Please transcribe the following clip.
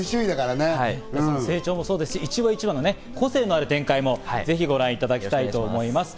成長もそうですし、一話一話、個性のある展開もぜひご覧いただきたいと思います。